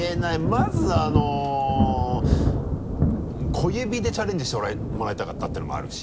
まず小指でチャレンジしてもらいたかったていうのもあるし。